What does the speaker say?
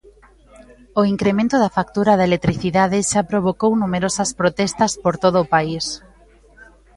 O incremento da factura da electricidade xa provocou numerosas protestas por todo o país.